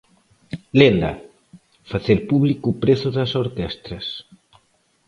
Lenda: Facer público o prezo das orquestras.